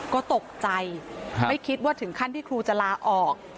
ก็ตกใจไม่คิดว่าถึงขั้นที่ครูจะลาออก